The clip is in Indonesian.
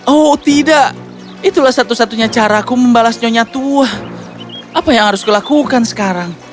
oh tidak itulah satu satunya caraku membalas nyonya tua apa yang harus kulakukan sekarang